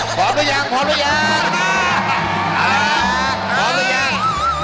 พร้อมหรือยังพร้อมหรือยัง